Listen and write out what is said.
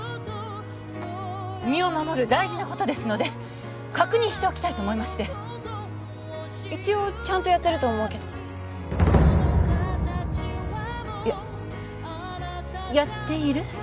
身を守る大事なことですので確認しておきたいと思いまして一応ちゃんとやってると思うけどややっている？